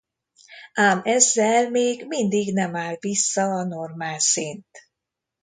Ám ezzel még mindig nem áll vissza a normál szint.